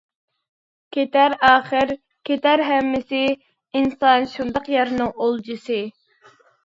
كېتەر ئاخىر، كېتەر ھەممىسى، ئىنسان شۇنداق يەرنىڭ ئولجىسى.